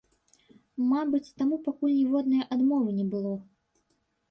Мабыць, таму пакуль ніводнай адмовы не было.